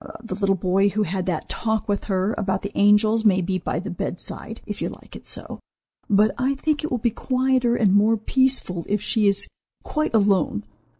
The little boy who had that talk with her about the angels may be by the bedside, if you like it so; but I think it will be quieter and more peaceful if she is quite alone.